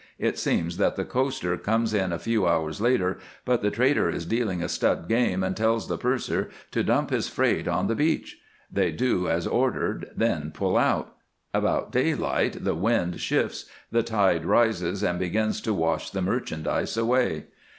It seems that the coaster comes in a few hours later, but the trader is dealing a stud game and tells the purser to dump his freight on the beach. They do as ordered, then pull out. About daylight the wind shifts, the tide rises and begins to wash the merchandise away.